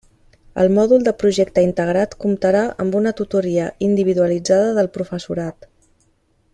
El mòdul de Projecte Integrat comptarà amb una tutoria individualitzada del professorat.